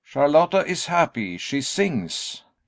Charlotta is happy; she sings!